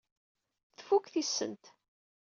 Tfuk tisent.